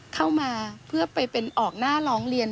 เข้ามาเพื่อไปเป็นออกหน้าร้องเรียน